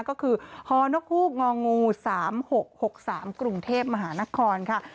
ก็คือฮนกฮูกง๓๖๖๓กรุงเทพมหานครค่ะ